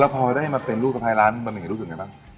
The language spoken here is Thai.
แล้วพอได้มาเป็นลูกสะพายร้านบะหมี่รู้สึกยังไงบ้าง